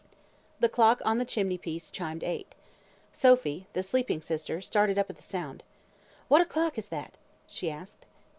The clock on the chimney piece chimed eight. Sophy (the sleeping sister) started up at the sound. "What o'clock is that?" she asked.